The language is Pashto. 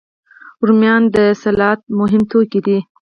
رومیان د سلاد مهم توکي دي